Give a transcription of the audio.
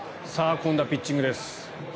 今度はピッチングです。